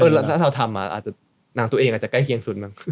ถ้าเราทำนางตัวเองอาจจะใกล้เคียงสุด